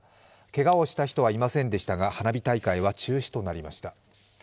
けがをした人はいませんでしたが花火大会は中止となりました。